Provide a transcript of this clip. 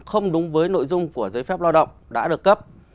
không đúng với nội dung của giấy phép lao động đã được cấp